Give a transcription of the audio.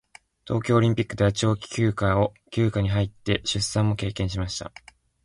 東京オリンピックでは長期休養に入って出産も経験しました。